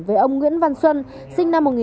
với ông nguyễn văn xuân